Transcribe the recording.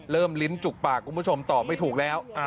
ลิ้นจุกปากคุณผู้ชมตอบไม่ถูกแล้ว